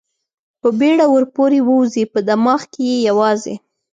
په بېړه ور پورې ووځي، په دماغ کې یې یوازې.